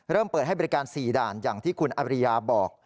เปิดให้บริการ๔ด่านอย่างที่คุณอริยาบอก